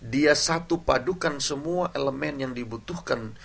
dia satu padukan semua elemen yang dibutuhkan